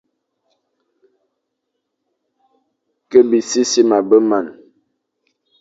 Ke besisima be marne,